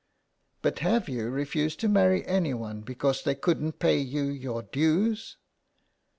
" But have you refused to marry anyone because they couldn't pay you your dues